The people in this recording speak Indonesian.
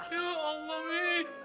ya allah mi